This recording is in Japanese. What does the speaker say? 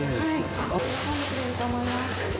喜んでくれると思います。